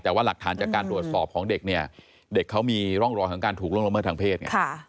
แต่ว่าหลักฐานจากการตรวจสอบของเด็กเนี่ยเด็กเขามีร่องรอยของการถูกล่วงละเมิดทางเพศไง